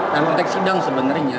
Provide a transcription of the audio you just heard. nah konteks sidang sebenarnya